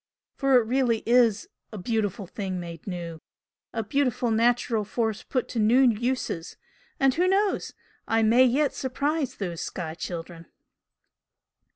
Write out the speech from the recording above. For it really IS 'a beautiful thing made new' a beautiful natural force put to new uses and who knows? I may yet surprise those 'sky children!'"